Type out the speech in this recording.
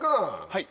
はい。